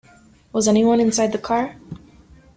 Was any one inside the car?